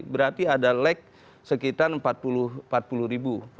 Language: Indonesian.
berarti ada lag sekitar empat puluh ribu